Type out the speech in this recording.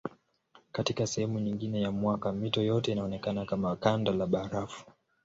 Katika sehemu nyingine ya mwaka mito yote inaonekana kama kanda la barafu.